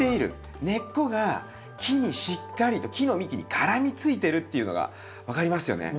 根っこが木にしっかりと木の幹に絡みついてるっていうのが分かりますよね。